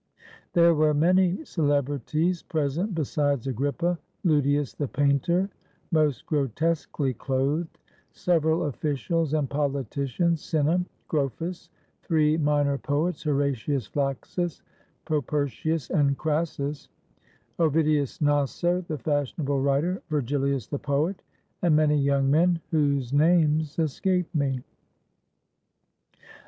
There were many celebrities present besides Agrippa — Ludius the painter, most grotesquely clothed, several ofl&cials and politicians, Cinna, Grosphus, three minor poets, Horatius Flaccus, Propertius, and Crassus; Ovidius Naso, the fashionable writer; VergiHus the poet, and many young men whose names escape me.